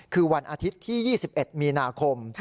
คือวันอาทิตย์ที่๒๑มีนาคม